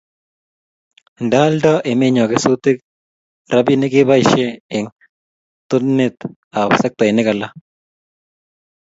Nda alda emennyo kesutik rabinik kebaishe eng' totnet ab sektainik alak